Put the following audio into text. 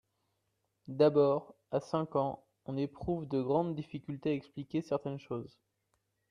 D'abord, a cinq ans, on éprouve de grandes difficultés à expliquer certaines choses.